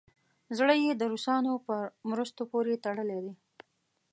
زړه یې د روسانو په مرستو پورې تړلی دی.